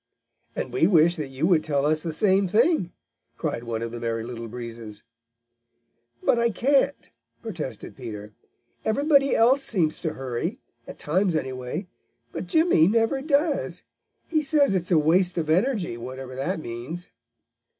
"And we wish that you would tell us the same thing," cried one of the Merry Little Breezes. "But I can't," protested Peter. "Everybody else seems to hurry, at times anyway, but Jimmy never does. He says it is a waste of energy, whatever that means."